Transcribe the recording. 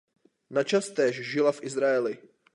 Načas též žila v Izraeli.